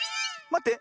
まって。